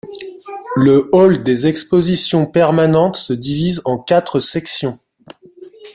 Le hall des expositions permanentes se divise en quatre sections.